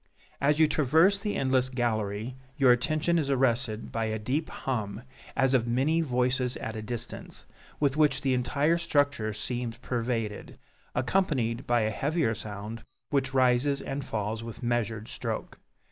As you traverse the endless gallery, your attention is arrested by a deep hum, as of many voices at a distance, with which the entire structure seems pervaded, accompanied by a heavier sound, which rises and falls with measured stroke.